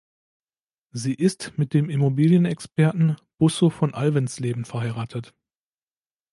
Sie ist mit dem Immobilien-Experten Busso von Alvensleben verheiratet.